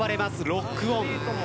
ロックオン。